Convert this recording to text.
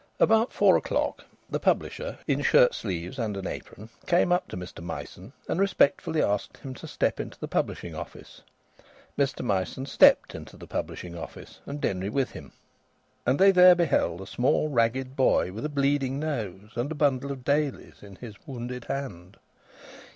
About four o'clock the publisher, in shirt sleeves and an apron, came up to Mr Myson and respectfully asked him to step into the publishing office. Mr Myson stepped into the publishing office and Denry with him, and they there beheld a small ragged boy with a bleeding nose and a bundle of Dailys in his wounded hand.